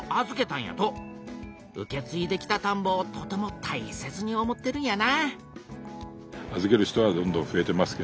受けついできたたんぼをとてもたいせつに思ってるんやな